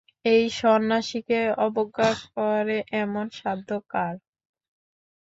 এই সন্ন্যাসীকে অবজ্ঞা করে এমন সাধ্য কার।